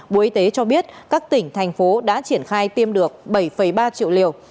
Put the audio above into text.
bộ y tế cho biết các tỉnh thành phố đã triển khai tiêm được bảy ba triệu liều